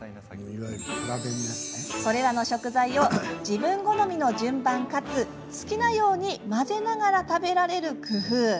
それらの食材を自分好みの順番かつ、好きなように混ぜながら食べられる工夫。